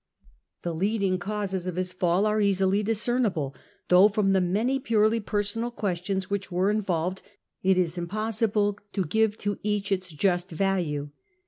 The leading causes of his fall are easily discernible, though, from the many purely personal questions which were involved, it is impossible to give to each its just value.